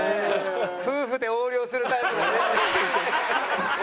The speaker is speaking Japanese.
夫婦で横領するタイプだね。